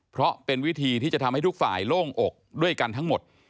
เพราะเป็นวิธีที่จะทำให้ทุกฝ่ายโล่งอกด้วยกันทั้งหมด